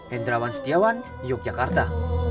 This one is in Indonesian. hendrawan setiawan yogyakarta